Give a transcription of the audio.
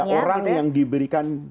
iya kepada orang yang diberikan